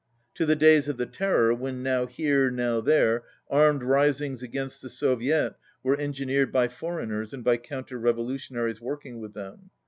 to the days of the Terror when, now here, now there, armed risings against the Soviet were engineered by for eigners and by counter revolutionaries working with them.